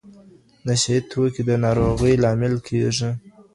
نشه یې توکي د ناروغۍ لامل کېږي.